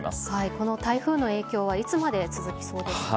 この台風の影響はいつまで続きそうですか？